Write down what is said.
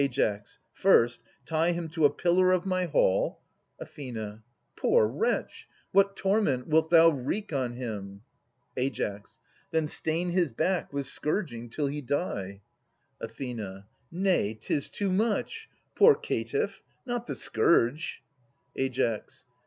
Ai. First, tie him to a pillar of my hall — 109 133] At'as 57 Ath. Poor wretch ! What torment wilt thou wreak on him? Ai. Then stain his back with scourging till he die. Ath. Nay, 'tis too much. Poor caitiff ! Not the scourge ! Ai.